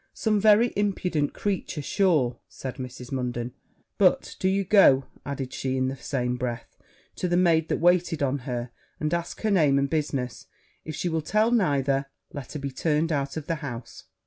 'Some very impudent creature, sure!' said Mrs. Munden 'but do you go,' added she in the same breath, to the maid that waited on her, 'and ask her name and business: if she will tell neither, let her be turned out of the house.'